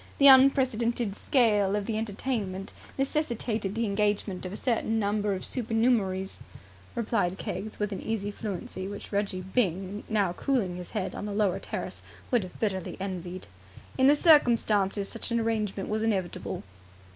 The unprecedented scale of the entertainment necessitated the engagement of a certain number of supernumeraries," replied Keggs with an easy fluency which Reggie Byng, now cooling his head on the lower terrace, would have bitterly envied. "In the circumstances, such an arrangement was inevitable."